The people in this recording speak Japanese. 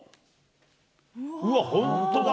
うわっ、本当だ。